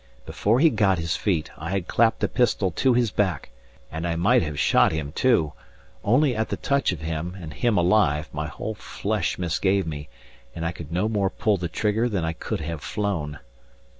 Before he got his feet, I had clapped a pistol to his back, and might have shot him, too; only at the touch of him (and him alive) my whole flesh misgave me, and I could no more pull the trigger than I could have flown.